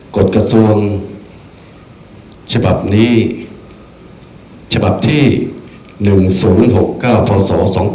กฎกระทรวงฉบับนี้ฉบับที่๑๐๖๙พศ๒๕๖